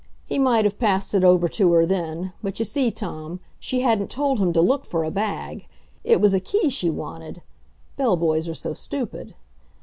He might have passed it over to her then, but you see, Tom, she hadn't told him to look for a bag; it was a key she wanted. Bell boys are so stupid.